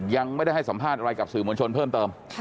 ยังไม่ได้ให้สัมภาษณ์อะไรกับสื่อมวลชนเพิ่มเติม